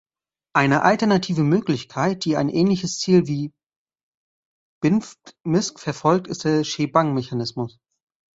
Eine alternative Möglichkeit, die ein ähnliches Ziel wie "binfmt_misc" verfolgt, ist der Shebang-Mechanismus.